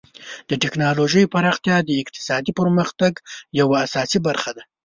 د ټکنالوژۍ پراختیا د اقتصادي پرمختګ یوه اساسي برخه ده.